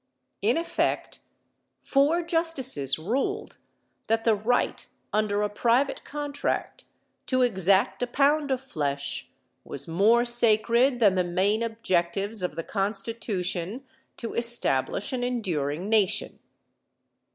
In effect, four Justices ruled that the right under a private contract to exact a pound of flesh was more sacred than the main objectives of the Constitution to establish an enduring Nation.